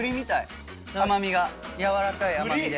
やわらかい甘みで。